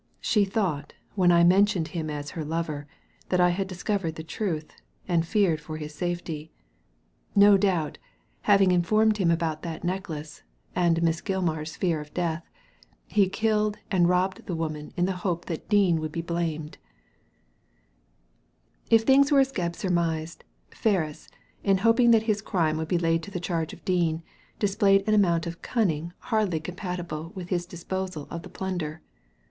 '' She thought, when I men tioned him as her lover, that I had discovered the truth, and feared for his safety. No doubt, having informed Digitized by Google ARTHUR FERRIS 131 him about that necklace, and Miss Gilmar s fear of death, he killed and robbed the woman in the hope that Dean would be blamed" If things were as Gebb surmised, Ferris, in hoping that his crime would be laid to the charge of Dean, displayed an amount of cunning hardly compatible with his disposal of the plunder.